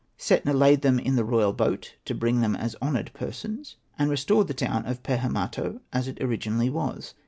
Setna laid them in the royal boat to bring them as honoured persons, and restored the town of Pehemato as it originally was.